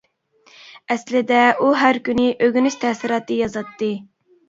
ئەسلىدە ئۇ ھەر كۈنى ئۆگىنىش تەسىراتى يازاتتى.